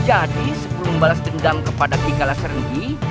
jadi sebelum balas dendam kepada kikalas renggi